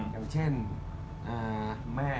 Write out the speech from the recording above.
อย่างเช่นแม่